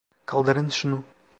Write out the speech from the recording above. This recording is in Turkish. Kaldırın şunu!